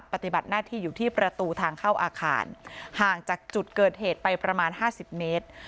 ปฏิบัติหน้าที่อยู่ที่ประตูทางเข้าอาคารห่างจากจุดเกิดเหตุไปประมาณ๕๐เมตร